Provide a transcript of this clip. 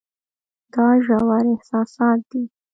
دا ژور احساسات دي.